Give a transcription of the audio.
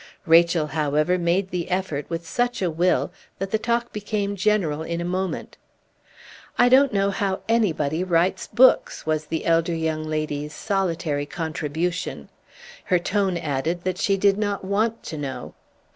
Rachel, however, made the effort with such a will that the talk became general in a moment. "I don't know how anybody writes books," was the elder young lady's solitary contribution; her tone added that she did not want to know.